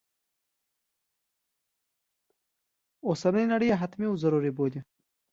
اوسنی نړی یې حتمي و ضروري بولي.